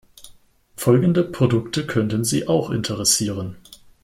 Folgende Produkte könnten Sie auch interessieren.